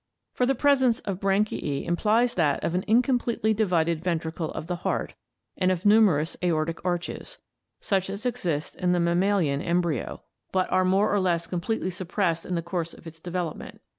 For the presence of branchiae implies that of an incompletely divided ventricle [of the heart] and of numerous aortic arches, such as exist in the mam malian embryo, but are more or less completely suppressed in the course of its development.